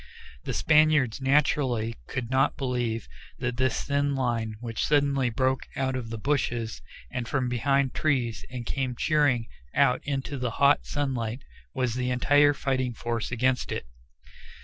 The Spaniards naturally could not believe that this thin line which suddenly broke out of the bushes and from behind trees and came cheering out into the hot sunlight was the entire fighting force against it.